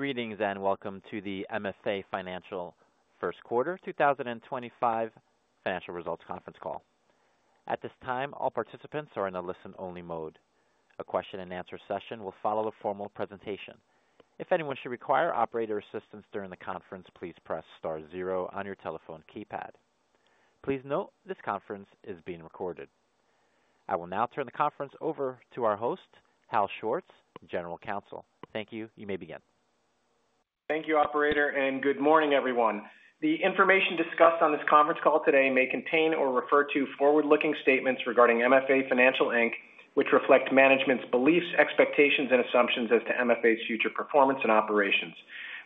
Greetings and welcome to the MFA Financial first quarter 2025 financial results conference call. At this time, all participants are in a listen-only mode. A question-and-answer session will follow a formal presentation. If anyone should require operator assistance during the conference, please press star zero on your telephone keypad. Please note this conference is being recorded. I will now turn the conference over to our host, Hal Schwartz, General Counsel. Thank you. You may begin. Thank you, Operator, and good morning, everyone. The information discussed on this conference call today may contain or refer to forward-looking statements regarding MFA Financial Inc, which reflect management's beliefs, expectations, and assumptions as to MFA's future performance and operations.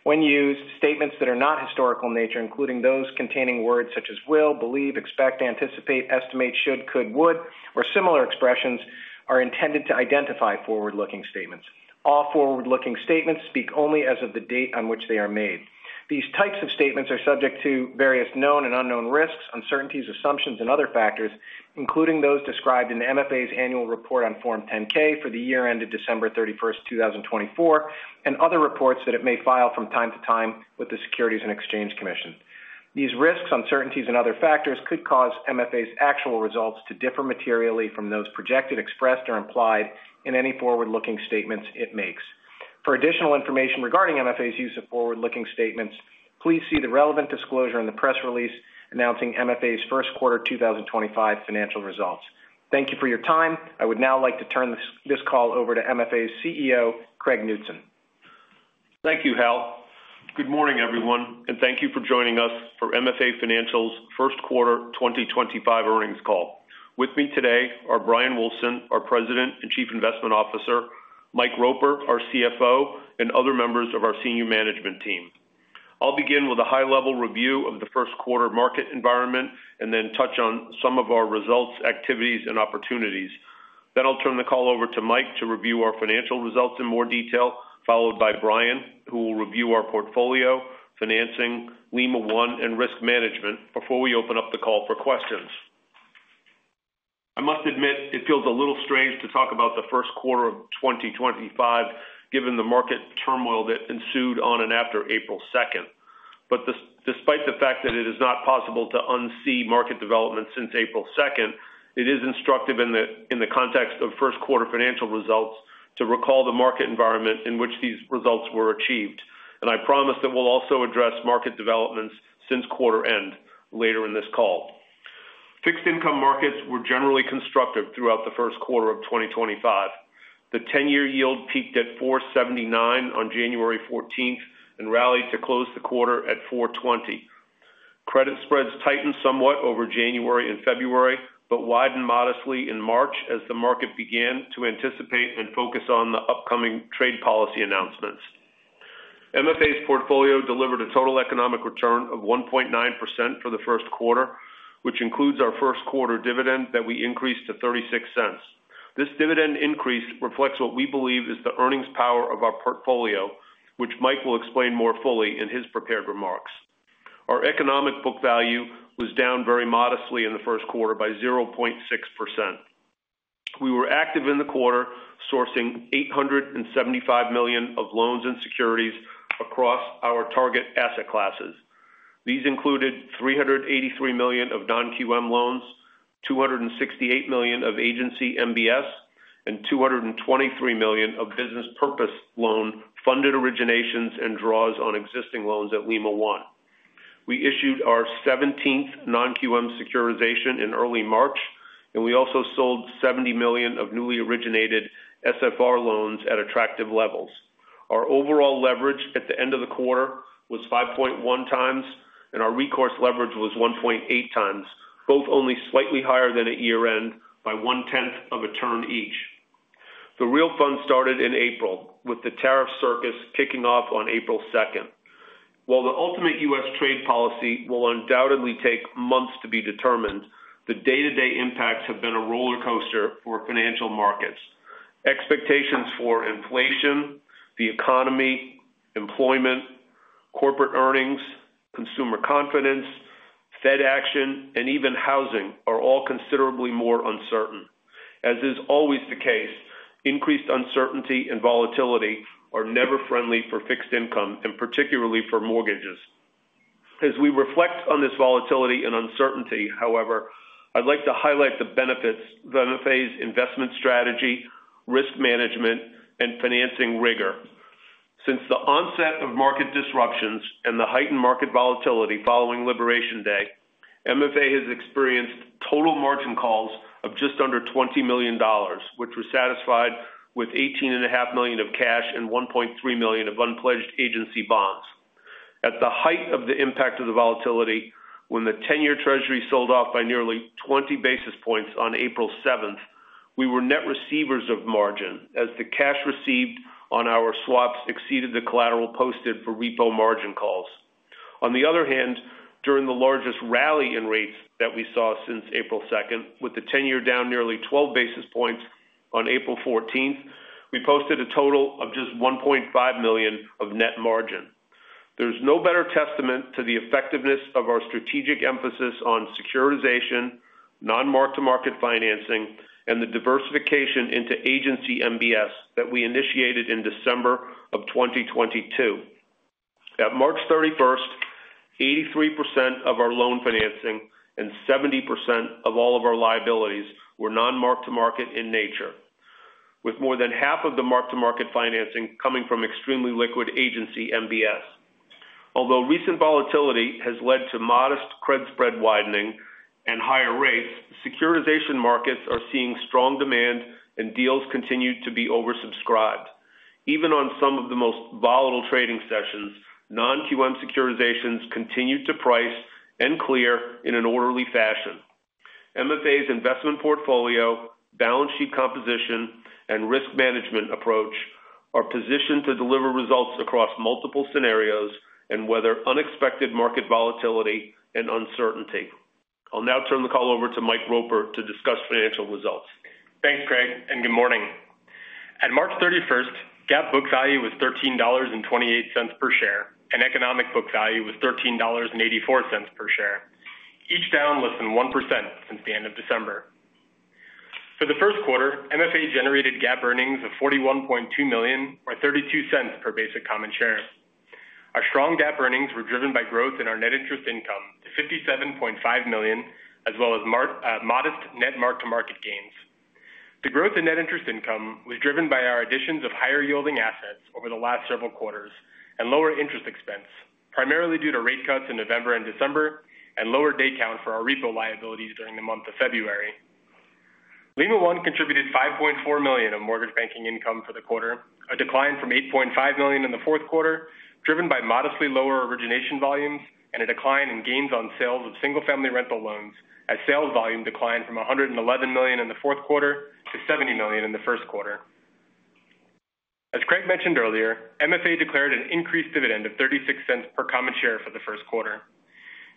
When used, statements that are not historical in nature, including those containing words such as will, believe, expect, anticipate, estimate, should, could, would, or similar expressions, are intended to identify forward-looking statements. All forward-looking statements speak only as of the date on which they are made. These types of statements are subject to various known and unknown risks, uncertainties, assumptions, and other factors, including those described in MFA's annual report on Form 10-K for the year ended December 31st, 2024, and other reports that it may file from time to time with the Securities and Exchange Commission. These risks, uncertainties, and other factors could cause MFA's actual results to differ materially from those projected, expressed, or implied in any forward-looking statements it makes. For additional information regarding MFA's use of forward-looking statements, please see the relevant disclosure in the press release announcing MFA's first quarter 2025 financial results. Thank you for your time. I would now like to turn this call over to MFA's CEO, Craig Knutson. Thank you, Hal. Good morning, everyone, and thank you for joining us for MFA Financial's first quarter 2025 earnings call. With me today are Bryan Wulfsohn, our President and Chief Investment Officer; Mike Roper, our CFO; and other members of our senior management team. I'll begin with a high-level review of the first quarter market environment and then touch on some of our results, activities, and opportunities. I will turn the call over to Mike to review our financial results in more detail, followed by Bryan, who will review our portfolio, financing, Lima One, and risk management before we open up the call for questions. I must admit, it feels a little strange to talk about the first quarter of 2025 given the market turmoil that ensued on and after April 2ndnd. Despite the fact that it is not possible to unsee market developments since April 2ndnd, it is instructive in the context of first quarter financial results to recall the market environment in which these results were achieved. I promise that we'll also address market developments since quarter end later in this call. Fixed income markets were generally constructive throughout the first quarter of 2025. The 10-year yield peaked at 4.79 on January 14th and rallied to close the quarter at 4.20. Credit spreads tightened somewhat over January and February but widened modestly in March as the market began to anticipate and focus on the upcoming trade policy announcements. MFA's portfolio delivered a total economic return of 1.9% for the first quarter, which includes our first quarter dividend that we increased to $0.36. This dividend increase reflects what we believe is the earnings power of our portfolio, which Mike will explain more fully in his prepared remarks. Our economic book value was down very modestly in the first quarter by 0.6%. We were active in the quarter, sourcing $875 million of loans and securities across our target asset classes. These included $383 million of non-QM loans, $268 million of agency MBS, and $223 million of business purpose loan funded originations and draws on existing loans at Lima One. We issued our 17th non-QM securitization in early March, and we also sold $70 million of newly originated SFR loans at attractive levels. Our overall leverage at the end of the quarter was 5.1x, and our recourse leverage was 1.8x, both only slightly higher than at year end by one-tenth of a turn each. The real fun started in April, with the tariff circus kicking off on April 2nd. While the ultimate U.S. trade policy will undoubtedly take months to be determined, the day-to-day impacts have been a roller coaster for financial markets. Expectations for inflation, the economy, employment, corporate earnings, consumer confidence, Fed action, and even housing are all considerably more uncertain. As is always the case, increased uncertainty and volatility are never friendly for fixed income, and particularly for mortgages. As we reflect on this volatility and uncertainty, however, I'd like to highlight the benefits of MFA's investment strategy, risk management, and financing rigor. Since the onset of market disruptions and the heightened market volatility following Liberation Day, MFA has experienced total margin calls of just under $20 million, which were satisfied with $18.5 million of cash and $1.3 million of unpledged agency bonds. At the height of the impact of the volatility, when the 10-year Treasury sold off by nearly 20 basis points on April 7th, we were net receivers of margin as the cash received on our swaps exceeded the collateral posted for repo margin calls. On the other hand, during the largest rally in rates that we saw since April 2nd, with the 10-year down nearly 12 basis points on April 14th, we posted a total of just $1.5 million of net margin. There is no better testament to the effectiveness of our strategic emphasis on securitization, non-mark-to-market financing, and the diversification into Agency MBS that we initiated in December of 2022. At March 31st, 83% of our loan financing and 70% of all of our liabilities were non-mark-to-market in nature, with more than half of the mark-to-market financing coming from extremely liquid Agency MBS. Although recent volatility has led to modest credit spread widening and higher rates, securitization markets are seeing strong demand and deals continue to be oversubscribed. Even on some of the most volatile trading sessions, non-QM securitizations continue to price and clear in an orderly fashion. MFA's investment portfolio, balance sheet composition, and risk management approach are positioned to deliver results across multiple scenarios and weather unexpected market volatility and uncertainty. I'll now turn the call over to Mike Roper to discuss financial results. Thanks, Craig, and good morning. At March 31st, GAAP book value was $13.28 per share, and economic book value was $13.84 per share, each down less than 1% since the end of December. For the first quarter, MFA generated GAAP earnings of $41.2 million or $0.32 per basic common share. Our strong GAAP earnings were driven by growth in our net interest income to $57.5 million, as well as modest net mark-to-market gains. The growth in net interest income was driven by our additions of higher-yielding assets over the last several quarters and lower interest expense, primarily due to rate cuts in November and December and lower day count for our repo liabilities during the month of February. Lima One contributed $5.4 million of mortgage banking income for the quarter, a decline from $8.5 million in the fourth quarter, driven by modestly lower origination volumes and a decline in gains on sales of single-family rental loans, as sales volume declined from $111 million in the fourth quarter to $70 million in the first quarter. As Craig mentioned earlier, MFA declared an increased dividend of $0.36 per common share for the first quarter.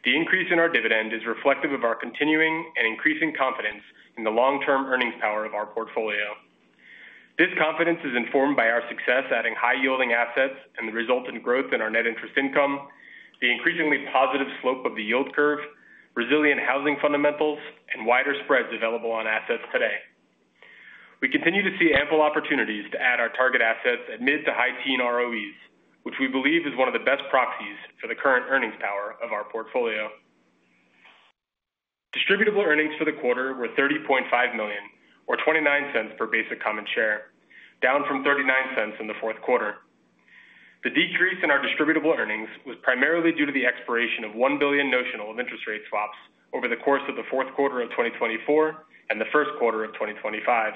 The increase in our dividend is reflective of our continuing and increasing confidence in the long-term earnings power of our portfolio. This confidence is informed by our success adding high-yielding assets and the resultant growth in our net interest income, the increasingly positive slope of the yield curve, resilient housing fundamentals, and wider spreads available on assets today. We continue to see ample opportunities to add our target assets at mid to high-teens ROEs, which we believe is one of the best proxies for the current earnings power of our portfolio. Distributable earnings for the quarter were $30.5 million or $0.29 per basic common share, down from $0.39 in the fourth quarter. The decrease in our distributable earnings was primarily due to the expiration of $1 billion notional of interest rate swaps over the course of the fourth quarter of 2024 and the first quarter of 2025.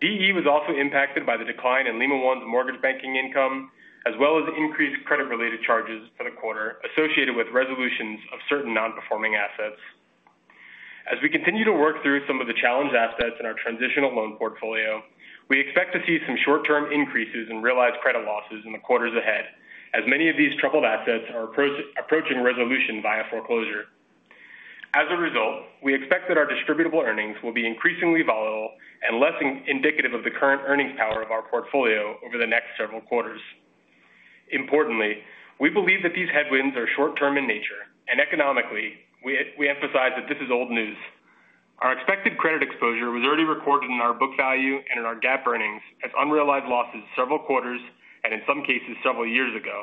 DE was also impacted by the decline in Lima One's mortgage banking income, as well as increased credit-related charges for the quarter associated with resolutions of certain non-performing assets. As we continue to work through some of the challenge assets in our transitional loan portfolio, we expect to see some short-term increases in realized credit losses in the quarters ahead, as many of these troubled assets are approaching resolution via foreclosure. As a result, we expect that our distributable earnings will be increasingly volatile and less indicative of the current earnings power of our portfolio over the next several quarters. Importantly, we believe that these headwinds are short-term in nature, and economically, we emphasize that this is old news. Our expected credit exposure was already recorded in our book value and in our GAAP earnings as unrealized losses several quarters and in some cases several years ago,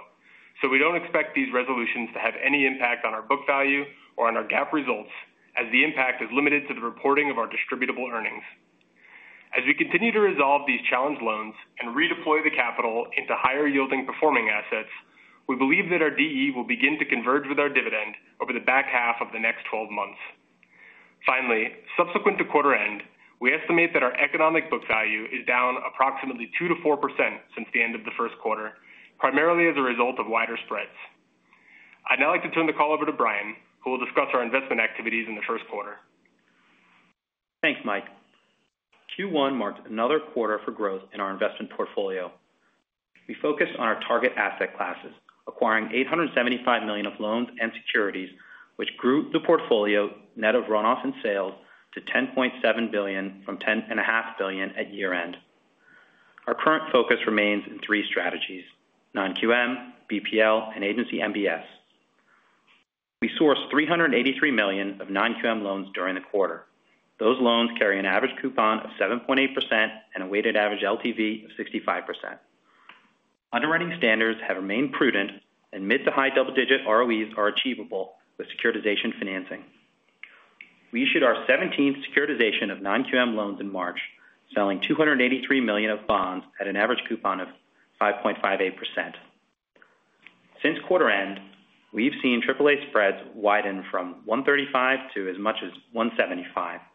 so we don't expect these resolutions to have any impact on our book value or on our GAAP results, as the impact is limited to the reporting of our distributable earnings. As we continue to resolve these challenge loans and redeploy the capital into higher-yielding performing assets, we believe that our DE will begin to converge with our dividend over the back half of the next 12 months. Finally, subsequent to quarter end, we estimate that our economic book value is down approximately 2%-4% since the end of the first quarter, primarily as a result of wider spreads. I'd now like to turn the call over to Bryan, who will discuss our investment activities in the first quarter. Thanks, Mike. Q1 marked another quarter for growth in our investment portfolio. We focused on our target asset classes, acquiring $875 million of loans and securities, which grew the portfolio net of runoff and sales to $10.7 billion from $10.5 billion at year end. Our current focus remains in three strategies: non-QM, BPL, and agency MBS. We sourced $383 million of non-QM loans during the quarter. Those loans carry an average coupon of 7.8% and a weighted average LTV of 65%. Underwriting standards have remained prudent, and mid to high double-digit ROEs are achievable with securitization financing. We issued our 17th securitization of non-QM loans in March, selling $283 million of bonds at an average coupon of 5.58%. Since quarter end, we've seen AAA spreads widen from 135 basis points to as much as 175 basis points.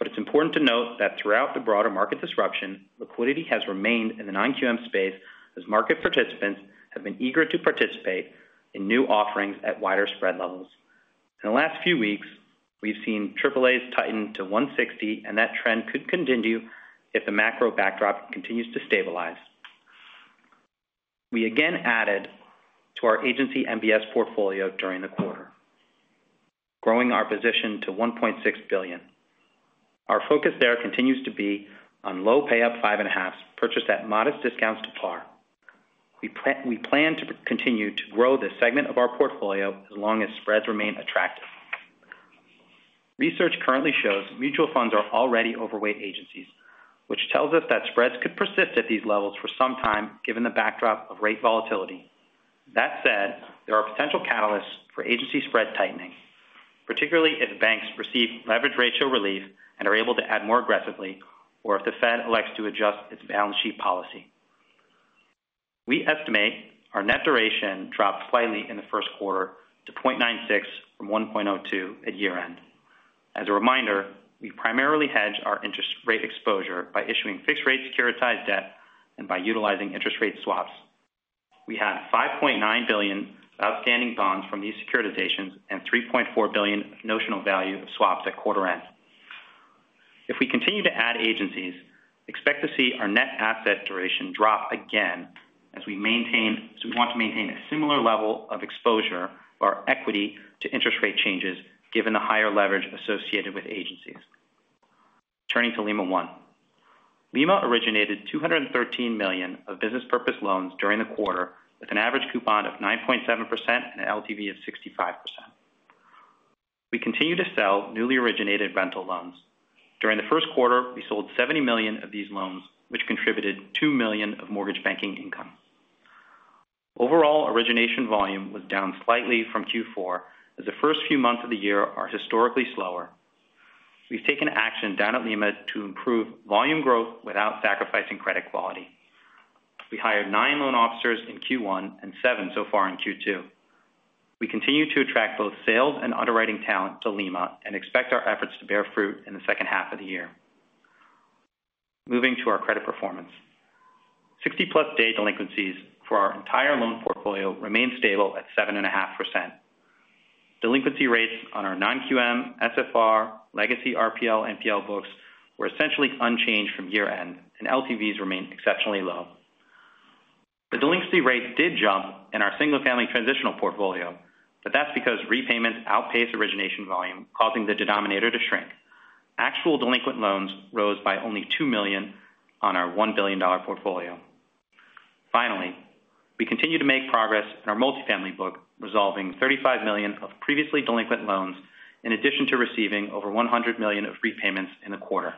It is important to note that throughout the broader market disruption, liquidity has remained in the non-QM space as market participants have been eager to participate in new offerings at wider spread levels. In the last few weeks, we have seen AAAs tighten to 160 basis points, and that trend could continue if the macro backdrop continues to stabilize. We again added to our Agency MBS portfolio during the quarter, growing our position to $1.6 billion. Our focus there continues to be on low payout 5.5s purchased at modest discounts to par. We plan to continue to grow this segment of our portfolio as long as spreads remain attractive. Research currently shows mutual funds are already overweight agencies, which tells us that spreads could persist at these levels for some time given the backdrop of rate volatility. That said, there are potential catalysts for agency spread tightening, particularly if banks receive leverage ratio relief and are able to add more aggressively, or if the Fed elects to adjust its balance sheet policy. We estimate our net duration dropped slightly in the first quarter to 0.96 from 1.02 at year end. As a reminder, we primarily hedge our interest rate exposure by issuing fixed-rate securitized debt and by utilizing interest rate swaps. We have $5.9 billion of outstanding bonds from these securitizations and $3.4 billion of notional value of swaps at quarter end. If we continue to add agencies, expect to see our net asset duration drop again as we want to maintain a similar level of exposure of our equity to interest rate changes given the higher leverage associated with agencies. Turning to Lima One. Lima originated $213 million of business purpose loans during the quarter with an average coupon of 9.7% and an LTV of 65%. We continue to sell newly originated rental loans. During the first quarter, we sold $70 million of these loans, which contributed $2 million of mortgage banking income. Overall, origination volume was down slightly from Q4, as the first few months of the year are historically slower. We've taken action down at Lima to improve volume growth without sacrificing credit quality. We hired nine loan officers in Q1 and seven so far in Q2. We continue to attract both sales and underwriting talent to Lima and expect our efforts to bear fruit in the second half of the year. Moving to our credit performance, 60+ day delinquencies for our entire loan portfolio remain stable at 7.5%. Delinquency rates on our non-QM, SFR, legacy RPL, and PL books were essentially unchanged from year end, and LTVs remain exceptionally low. The delinquency rate did jump in our single-family transitional portfolio, but that's because repayments outpace origination volume, causing the denominator to shrink. Actual delinquent loans rose by only $2 million on our $1 billion portfolio. Finally, we continue to make progress in our multifamily book, resolving $35 million of previously delinquent loans in addition to receiving over $100 million of repayments in the quarter.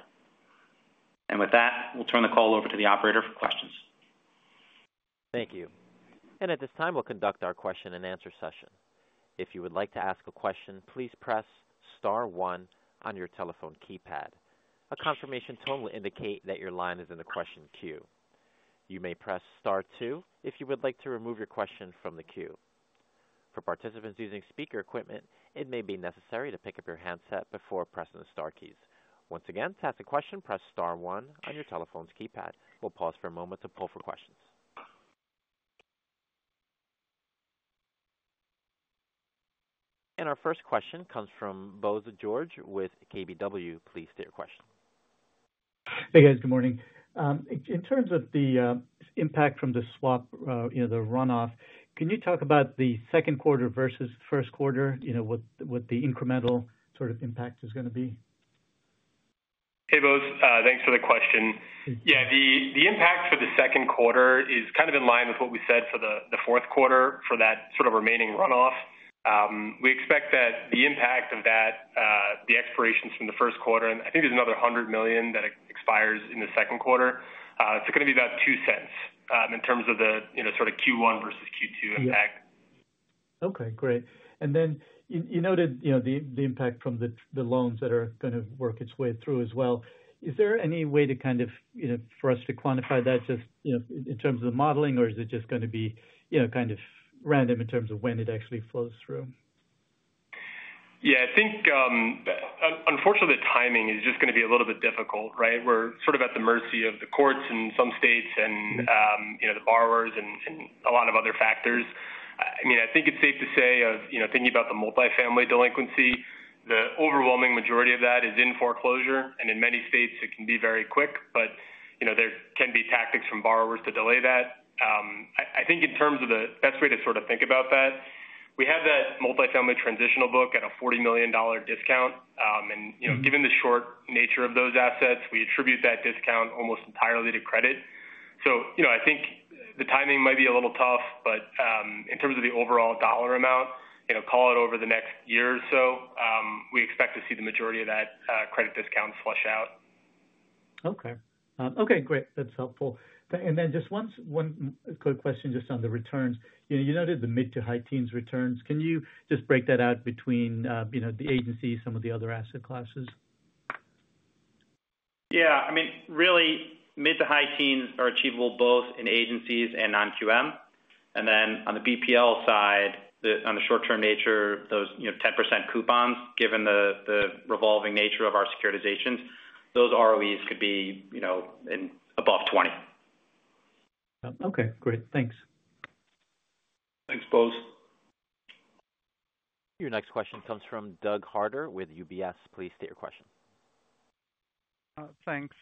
With that, we'll turn the call over to the operator for questions. Thank you. At this time, we'll conduct our question-and-answer session. If you would like to ask a question, please press star one on your telephone keypad. A confirmation tone will indicate that your line is in the question queue. You may press star two if you would like to remove your question from the queue. For participants using speaker equipment, it may be necessary to pick up your handset before pressing the star keys. Once again, to ask a question, press star one on your telephone's keypad. We'll pause for a moment to pull for questions. Our first question comes from Bose George with KBW. Please state your question. Hey, guys. Good morning. In terms of the impact from the swap, the runoff, can you talk about the second quarter versus first quarter, what the incremental sort of impact is going to be? Hey, Bose. Thanks for the question. Yeah, the impact for the second quarter is kind of in line with what we said for the fourth quarter for that sort of remaining runoff. We expect that the impact of that, the expirations from the first quarter, and I think there is another $100 million that expires in the second quarter, is going to be about $0.02 in terms of the sort of Q1 versus Q2 impact. Okay. Great. You noted the impact from the loans that are going to work its way through as well. Is there any way to kind of for us to quantify that just in terms of the modeling, or is it just going to be kind of random in terms of when it actually flows through? Yeah, I think, unfortunately, the timing is just going to be a little bit difficult, right? We're sort of at the mercy of the courts in some states and the borrowers and a lot of other factors. I mean, I think it's safe to say, thinking about the multifamily delinquency, the overwhelming majority of that is in foreclosure. In many states, it can be very quick, but there can be tactics from borrowers to delay that. I think in terms of the best way to sort of think about that, we have that multifamily transitional book at a $40 million discount. Given the short nature of those assets, we attribute that discount almost entirely to credit. I think the timing might be a little tough, but in terms of the overall dollar amount, call it over the next year or so, we expect to see the majority of that credit discount flush out. Okay. Okay. Great. That's helpful. Just one quick question just on the returns. You noted the mid to high-teens returns. Can you just break that out between the agency, some of the other asset classes? Yeah. I mean, really, mid to high-teens are achievable both in agencies and non-QM. And then on the BPL side, on the short-term nature, those 10% coupons, given the revolving nature of our securitizations, those ROEs could be above 20%. Okay. Great. Thanks. Thanks, Bose. Your next question comes from Doug Harter with UBS. Please state your question. Thanks.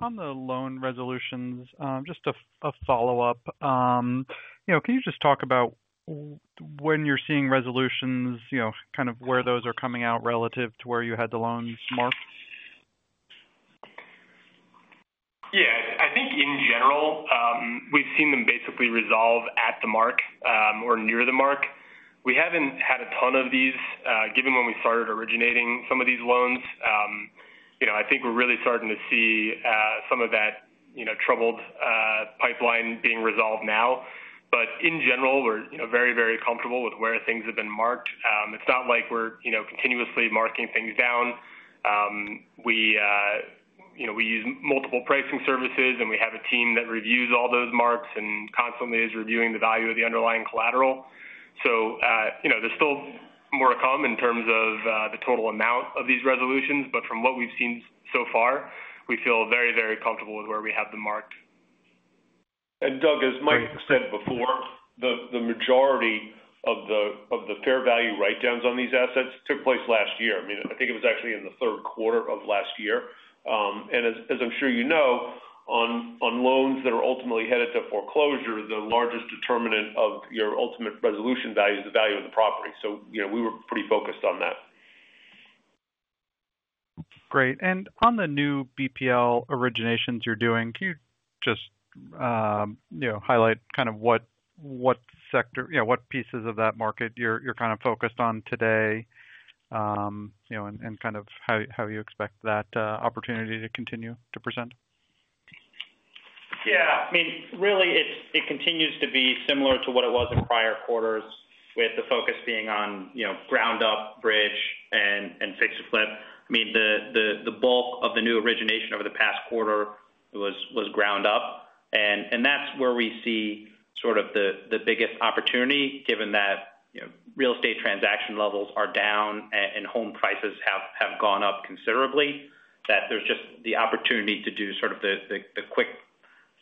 On the loan resolutions, just a follow-up. Can you just talk about when you're seeing resolutions, kind of where those are coming out relative to where you had the loans marked? Yeah. I think in general, we've seen them basically resolve at the mark or near the mark. We haven't had a ton of these, given when we started originating some of these loans. I think we're really starting to see some of that troubled pipeline being resolved now. In general, we're very, very comfortable with where things have been marked. It's not like we're continuously marking things down. We use multiple pricing services, and we have a team that reviews all those marks and constantly is reviewing the value of the underlying collateral. There's still more to come in terms of the total amount of these resolutions. From what we've seen so far, we feel very, very comfortable with where we have them marked. Doug, as Mike said before, the majority of the fair value write-downs on these assets took place last year. I mean, I think it was actually in the third quarter of last year. As I'm sure you know, on loans that are ultimately headed to foreclosure, the largest determinant of your ultimate resolution value is the value of the property. We were pretty focused on that. Great. On the new BPL originations you're doing, can you just highlight kind of what sector, what pieces of that market you're kind of focused on today, and how you expect that opportunity to continue to present? Yeah. I mean, really, it continues to be similar to what it was in prior quarters, with the focus being on ground-up, bridge, and fix-and-flip. I mean, the bulk of the new origination over the past quarter was ground-up. That is where we see sort of the biggest opportunity, given that real estate transaction levels are down and home prices have gone up considerably, that there is just the opportunity to do sort of the quick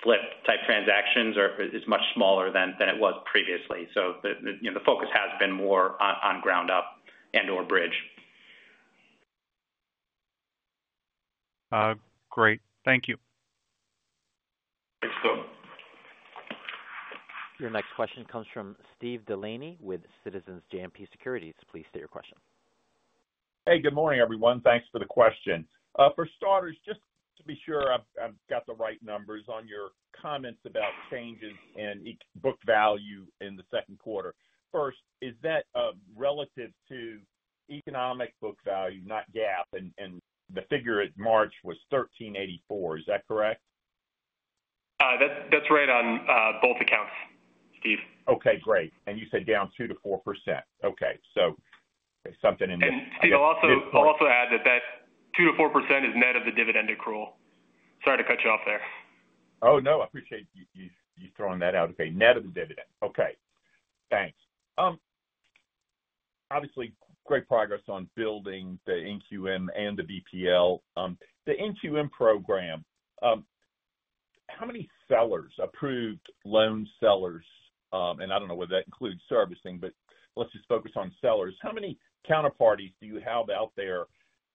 flip type transactions is much smaller than it was previously. The focus has been more on ground-up and/or bridge. Great. Thank you. Thanks, Doug. Your next question comes from Steve Delaney with Citizens JMP Securities. Please state your question. Hey, good morning, everyone. Thanks for the question. For starters, just to be sure I've got the right numbers on your comments about changes in book value in the second quarter. First, is that relative to economic book value, not GAAP, and the figure at March was $13.84? Is that correct? That's right on both accounts, Steve. Okay. Great. You said down 2%-4%. Okay. Something in there. I'll also add that that 2%-4% is net of the dividend accrual. Sorry to cut you off there. Oh, no. I appreciate you throwing that out. Okay. Net of the dividend. Okay. Thanks. Obviously, great progress on building the NQM and the BPL. The NQM program, how many sellers, approved loan sellers, and I do not know whether that includes servicing, but let's just focus on sellers. How many counterparties do you have out there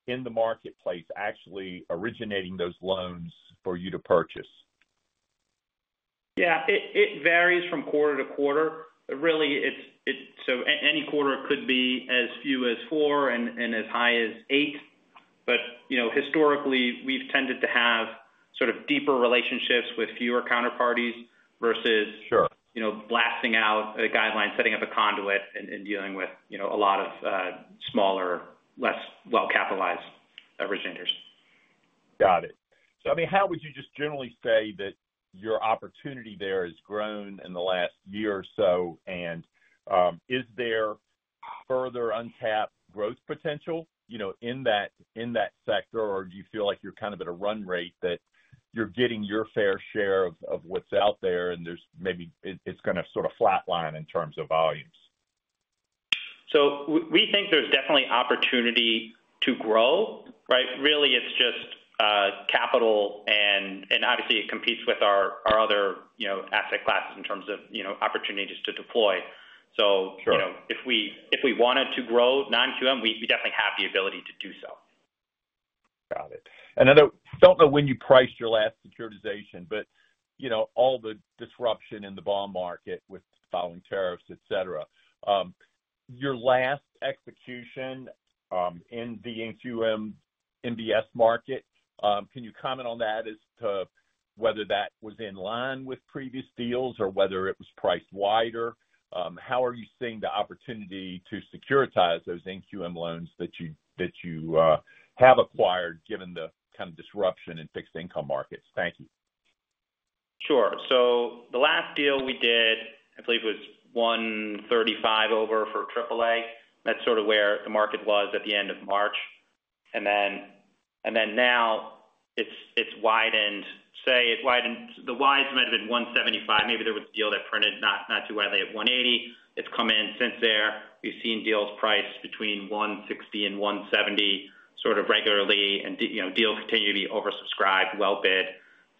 in the marketplace actually originating those loans for you to purchase? Yeah. It varies from quarter-to-quarter. Really, so any quarter could be as few as four and as high as eight. Historically, we've tended to have sort of deeper relationships with fewer counterparties versus blasting out a guideline, setting up a conduit, and dealing with a lot of smaller, less well-capitalized originators. Got it. I mean, how would you just generally say that your opportunity there has grown in the last year or so? Is there further untapped growth potential in that sector, or do you feel like you're kind of at a run rate that you're getting your fair share of what's out there and maybe it's going to sort of flatline in terms of volumes? We think there's definitely opportunity to grow, right? Really, it's just capital. Obviously, it competes with our other asset classes in terms of opportunities to deploy. If we wanted to grow non-QM, we definitely have the ability to do so. Got it. I do not know when you priced your last securitization, but with all the disruption in the bond market with following tariffs, etc., your last execution in the non-QM MBS market, can you comment on that as to whether that was in line with previous deals or whether it was priced wider? How are you seeing the opportunity to securitize those non-QM loans that you have acquired given the kind of disruption in fixed income markets? Thank you. Sure. The last deal we did, I believe it was 135 over for AAA. That is sort of where the market was at the end of March. Now it has widened. Say the wide might have been 175. Maybe there was a deal that printed not too widely at 180. It has come in since there. We have seen deals priced between 160 and 170 sort of regularly, and deals continue to be oversubscribed, well-bid.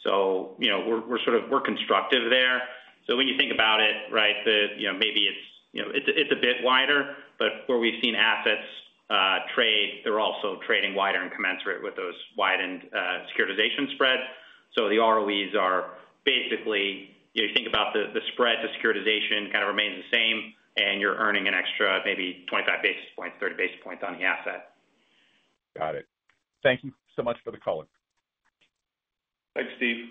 We are sort of constructive there. When you think about it, right, maybe it is a bit wider, but where we have seen assets trade, they are also trading wider in commensurate with those widened securitization spreads. The ROEs are basically, you think about the spread, the securitization kind of remains the same, and you are earning an extra maybe 25 basis points, 30 basis points on the asset. Got it. Thank you so much for the call. Thanks, Steve.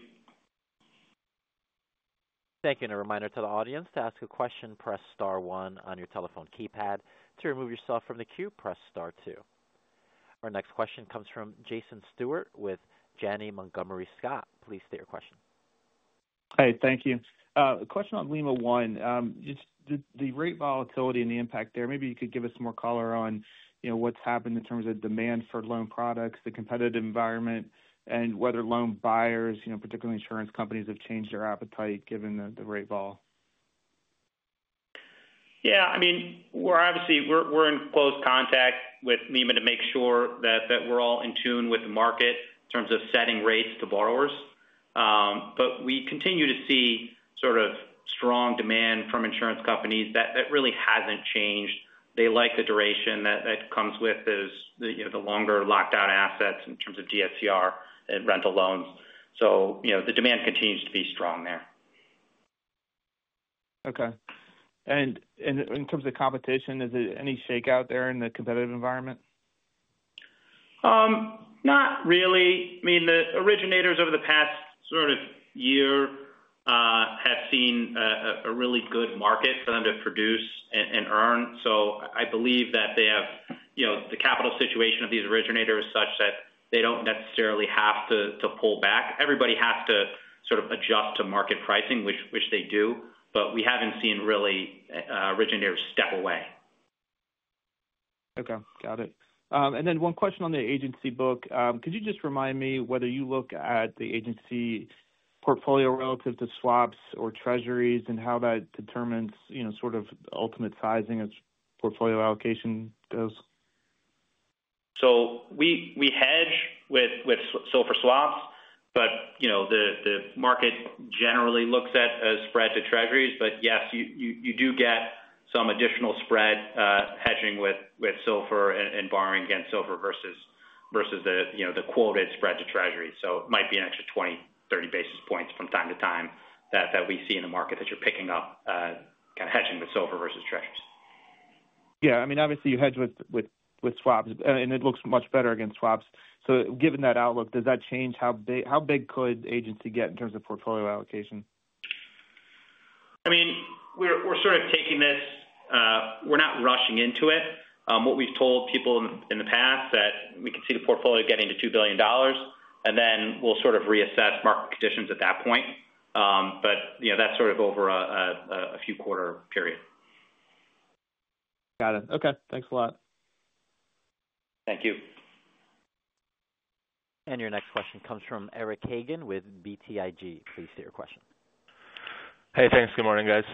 Thank you. A reminder to the audience to ask a question, press star one on your telephone keypad. To remove yourself from the queue, press star two. Our next question comes from Jason Stewart with Janney Montgomery Scott. Please state your question. Hi. Thank you. A question on Lima One. The rate volatility and the impact there, maybe you could give us more color on what's happened in terms of demand for loan products, the competitive environment, and whether loan buyers, particularly insurance companies, have changed their appetite given the rate vol. Yeah. I mean, obviously, we're in close contact with Lima One to make sure that we're all in tune with the market in terms of setting rates to borrowers. We continue to see sort of strong demand from insurance companies. That really hasn't changed. They like the duration that comes with the longer locked-out assets in terms of DSCR and rental loans. The demand continues to be strong there. Okay. In terms of competition, is there any shakeout there in the competitive environment? Not really. I mean, the originators over the past sort of year have seen a really good market for them to produce and earn. I believe that they have the capital situation of these originators such that they do not necessarily have to pull back. Everybody has to sort of adjust to market pricing, which they do. We have not seen really originators step away. Okay. Got it. One question on the agency book. Could you just remind me whether you look at the agency portfolio relative to swaps or treasuries and how that determines sort of ultimate sizing as portfolio allocation goes? We hedge with silver swaps, but the market generally looks at a spread to treasuries. Yes, you do get some additional spread hedging with silver and borrowing against silver versus the quoted spread to treasury. It might be an extra 20 basis points-30 basis points from time to time that we see in the market that you're picking up kind of hedging with silver versus treasuries. Yeah. I mean, obviously, you hedge with swaps, and it looks much better against swaps. Given that outlook, does that change how big could the agency get in terms of portfolio allocation? I mean, we're sort of taking this. We're not rushing into it. What we've told people in the past is that we can see the portfolio getting to $2 billion, and then we'll sort of reassess market conditions at that point. That's sort of over a few quarter period. Got it. Okay. Thanks a lot. Thank you. Your next question comes from Eric Hagen with BTIG. Please state your question. Hey, thanks. Good morning, guys.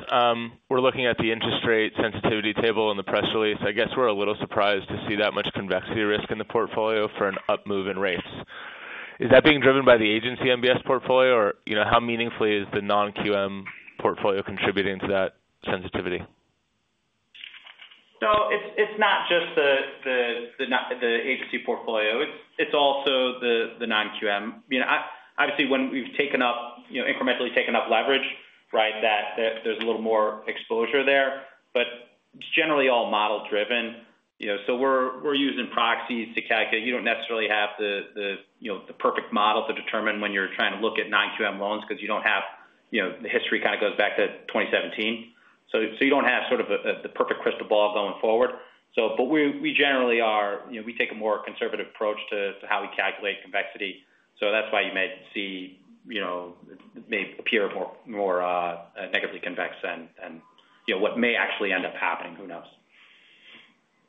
We're looking at the interest rate sensitivity table and the press release. I guess we're a little surprised to see that much convexity risk in the portfolio for an up move in rates. Is that being driven by the Agency MBS portfolio, or how meaningfully is the non-QM portfolio contributing to that sensitivity? It's not just the agency portfolio. It's also the non-QM. Obviously, when we've incrementally taken up leverage, right, there's a little more exposure there. It's generally all model-driven. We're using proxies to calculate. You don't necessarily have the perfect model to determine when you're trying to look at non-QM loans because you don't have the history kind of goes back to 2017. You don't have sort of the perfect crystal ball going forward. We generally are, we take a more conservative approach to how we calculate convexity. That's why you may see it may appear more negatively convex than what may actually end up happening. Who knows?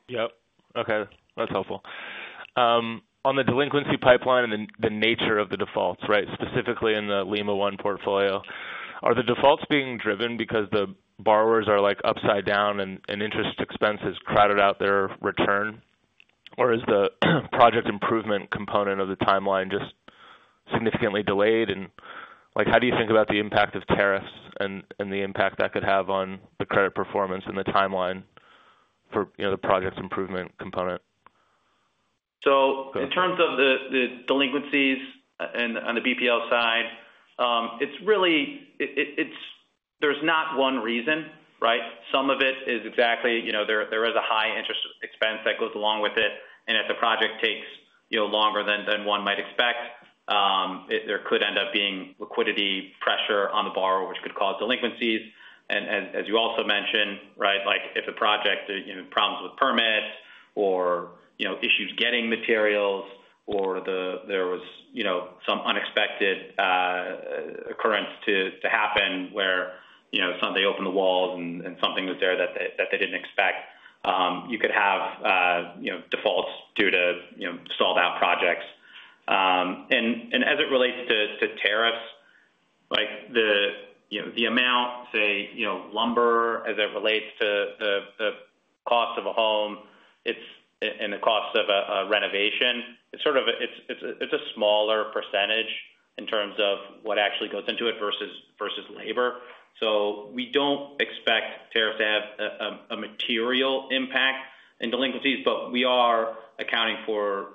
Yep. Okay. That's helpful. On the delinquency pipeline and the nature of the defaults, right, specifically in the Lima One portfolio, are the defaults being driven because the borrowers are upside down and interest expenses crowded out their return? Or is the project improvement component of the timeline just significantly delayed? How do you think about the impact of tariffs and the impact that could have on the credit performance and the timeline for the project's improvement component? In terms of the delinquencies on the BPL side, it's really there's not one reason, right? Some of it is exactly there is a high interest expense that goes along with it. If the project takes longer than one might expect, there could end up being liquidity pressure on the borrower, which could cause delinquencies. As you also mentioned, right, if the project had problems with permits or issues getting materials or there was some unexpected occurrence to happen where somebody opened the walls and something was there that they didn't expect, you could have defaults due to stalled-out projects. As it relates to tariffs, the amount, say, lumber, as it relates to the cost of a home and the cost of a renovation, it's sort of a smaller percentage in terms of what actually goes into it versus labor. We do not expect tariffs to have a material impact in delinquencies, but we are accounting for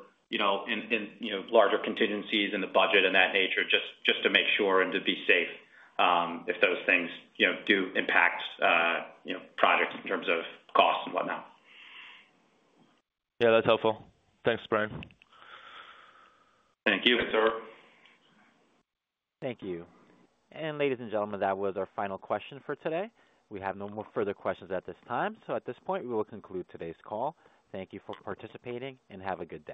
larger contingencies in the budget and that nature just to make sure and to be safe if those things do impact projects in terms of cost and whatnot. Yeah. That's helpful. Thanks, Bryan. Thank you. Thanks, sir. Thank you. Ladies and gentlemen, that was our final question for today. We have no more further questions at this time. At this point, we will conclude today's call. Thank you for participating and have a good day.